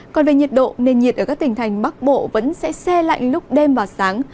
còn về nhiệt độ nền nhiệt ở các tỉnh thành bắc bộ vẫn sẽ xe lạnh lúc đêm và sáng